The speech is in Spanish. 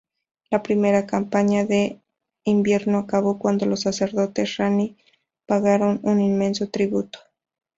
La primera campaña de invierno acabó cuando los sacerdotes Rani pagaron un inmenso tributo.